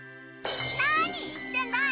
なに言ってんだい！